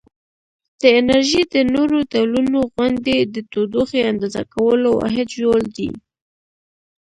د انرژي د نورو ډولونو غوندې د تودوخې اندازه کولو واحد ژول دی.